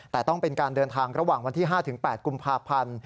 แต่ต้องเป็นการเดินทางระหว่างวันที่๕๘กุมภาพันธ์